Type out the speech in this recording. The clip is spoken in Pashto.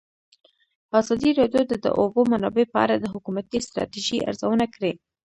ازادي راډیو د د اوبو منابع په اړه د حکومتي ستراتیژۍ ارزونه کړې.